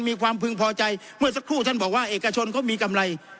มีความพึงพอใจเมื่อสักครู่ท่านบอกว่าเอกชนเขามีกำไร